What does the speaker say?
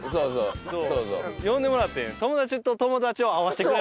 呼んでもらって。